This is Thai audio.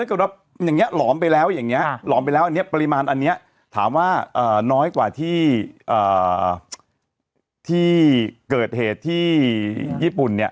เพราะอันนั้นไม่คือพลังงานแบบ